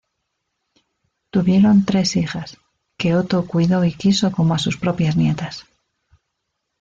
Tuvieron tres hijas, que Otto cuidó y quiso como a sus propias nietas.